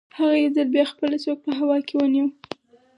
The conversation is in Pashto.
هغه یو ځل بیا خپله سوک په هوا کې ونیو